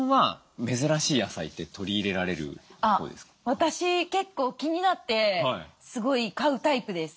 私結構気になってすごい買うタイプです。